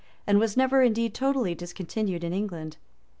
and was never indeed totally discontinued in England.